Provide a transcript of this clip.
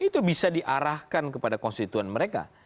itu bisa diarahkan kepada konstituen mereka